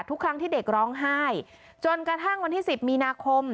ทุกครั้งที่เด็กร้องไห้จนกระทั่งวันที่๑๐มีนาคม